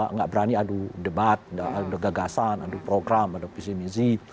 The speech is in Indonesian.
nggak berani adu debat adu gagasan adu program adu visi misi